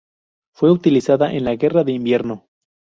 Fue utilizada en la Guerra de Invierno.